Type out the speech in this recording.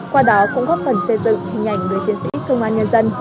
qua đó cũng góp phần xây dựng hình ảnh người chiến sĩ công an nhân dân